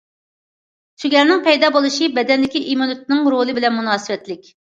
سۆگەلنىڭ پەيدا بولۇشى بەدەندىكى ئىممۇنىتېتنىڭ رولى بىلەن مۇناسىۋەتلىك.